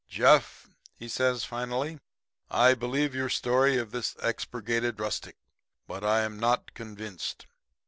"'Jeff,' says he, finally, 'I believe your story of this expurgated rustic; but I am not convinced.